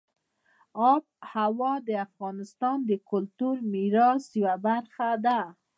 آب وهوا د افغانستان د کلتوري میراث یوه برخه ده.